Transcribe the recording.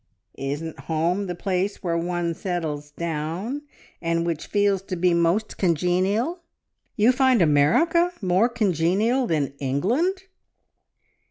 "Isn't home the place where one settles down, and which feels to be most congenial?" "You find America more congenial than England?"